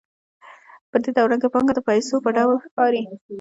په دې دوران کې پانګه د پیسو په ډول ښکارېږي